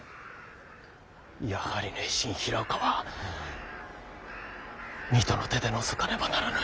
やはり佞臣平岡は水戸の手で除かねばならぬ。